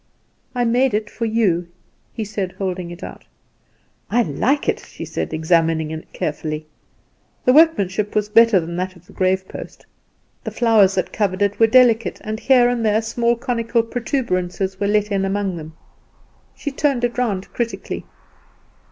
"I made it for you," he said, holding it out. "I like it," she said, examining it carefully. The workmanship was better than that of the grave post. The flowers that covered it were delicate, and here and there small conical protuberances were let in among them. She turned it round critically.